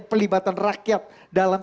pelibatan rakyat dalam